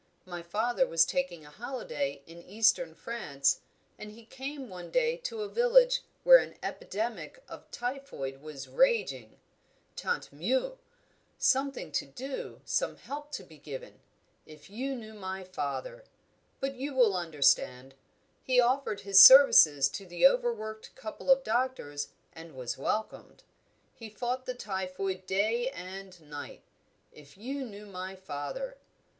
My father was taking a holiday in eastern France, and he came one day to a village where an epidemic of typhoid was raging. Tant mieux! Something to do; some help to be given. If you knew my father but you will understand. He offered his services to the overworked couple of doctors and was welcomed. He fought the typhoid day and night if you knew my father!